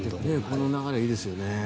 この流れはいいですよね。